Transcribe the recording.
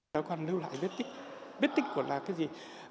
các con lưu lại biết tích biết tích của là cái gì